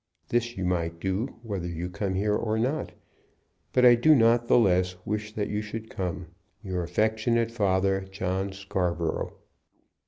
This you might do, whether you come here or not. But I do not the less wish that you should come. "Your affectionate father, "JOHN SCARBOROUGH."